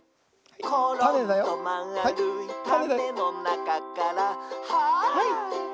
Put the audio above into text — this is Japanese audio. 「ころんとまあるいたねのなかから」「ハイ！」